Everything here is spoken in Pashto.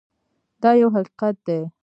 دا یو حقیقت دی.